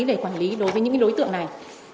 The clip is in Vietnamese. để quản lý đối với những đối tượng này